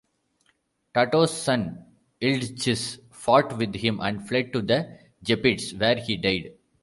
Tato's son Ildchis fought with him and fled to the Gepids where he died.